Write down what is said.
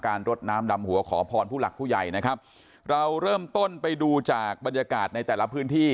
รดน้ำดำหัวขอพรผู้หลักผู้ใหญ่นะครับเราเริ่มต้นไปดูจากบรรยากาศในแต่ละพื้นที่